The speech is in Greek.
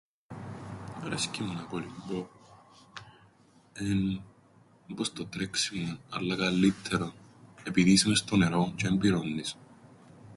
Αρέσκει μου να κολυμπώ. Εν' όπως το τρέξιμον αλλά καλλύττερον, επειδή είσαι μες στο νερόν τζ̆αι εν πυρώννεις.